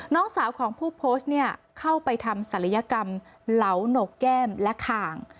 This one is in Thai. น้องสาวของผู้โพสต์เนี่ยเข้าไปทำศัลยกรรมเหลาหนกแก้มและข่าง